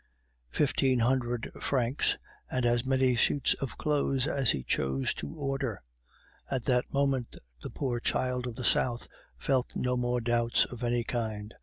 Fifteen hundred francs, and as many suits of clothes as he chose to order! At that moment the poor child of the South felt no more doubts of any kind.